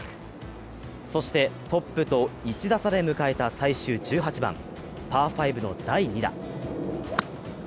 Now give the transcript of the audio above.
そして、トップと１打差で迎えた最終１８番、パー５の第２打。